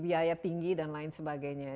biaya tinggi dan lain sebagainya